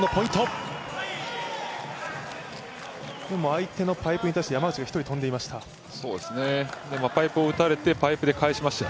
相手のパイプに対して山内が一人跳んでいました。